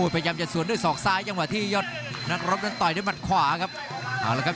พยายามจะสวนด้วยศอกซ้ายจังหวะที่ยอดนักรบนั้นต่อยด้วยมัดขวาครับเอาละครับ